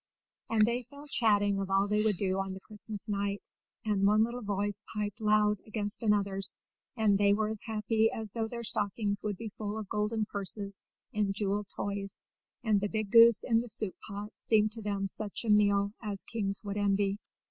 And they fell chatting of all they would do on the Christmas night, and one little voice piped loud against another's, and they were as happy as though their stockings would be full of golden purses and jewelled toys, and the big goose in the soup pot seemed to them such a meal as kings would envy.